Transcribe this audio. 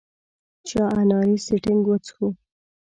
چا اناري سټینګ وڅښو.